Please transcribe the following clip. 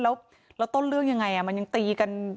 แล้วต้นเรื่องยังไงมันยังตีกัน